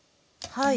はい。